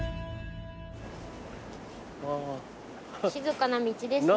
静かな道ですね。